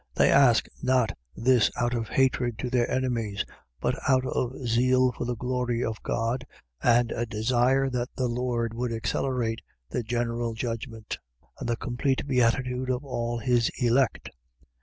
. .They ask not this out of hatred to their enemies, but out of zeal for the glory of God, and a desire that the Lord would accelerate the general judgment, and the complete beatitude of all his elect.